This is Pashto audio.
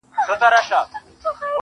گلي.